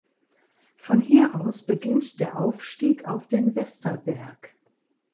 Von hier aus beginnt der Aufstieg auf den Westerberg.